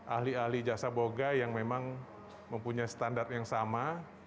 ahli ahli jasa boga yang memang mempunyai standar yang sama